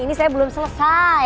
ini saya belum selesai